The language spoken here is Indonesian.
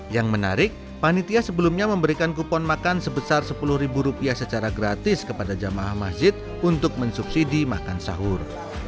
yang menarik panitia sebelumnya memberikan kupon makan sebesar sepuluh ribu rupiah secara gratis kepada jamaah masjid untuk mensubsidi makan sahur